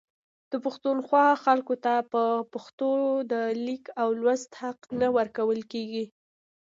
د پښتونخوا خلکو ته په پښتو د لیک او لوست حق نه ورکول کیږي